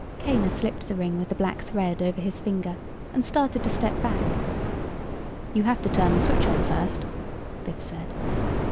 Kaner slipped the ring with the black thread over his finger and started to step back. "You have to turn the switch on first," Biff said.